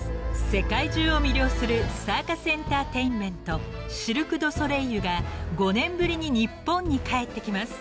世界中を魅了するサーカスエンターテインメントシルク・ドゥ・ソレイユが５年ぶりに日本に帰ってきます］